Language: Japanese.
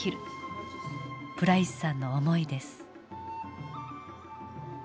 プライスさんの思いです。